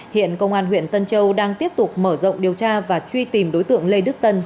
hiện công an huyện tân châu đang tiếp tục mở rộng điều tra và truy tìm đối tượng lê đức tân